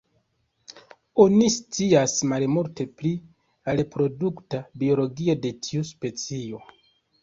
Oni scias malmulte pri la reprodukta biologio de tiu specio.